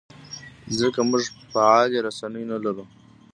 ځکه موږ فعالې رسنۍ نه لرو.